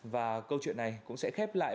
và câu chuyện này cũng sẽ khép lại